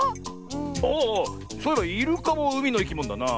ああっそういえばイルカもうみのいきものだな。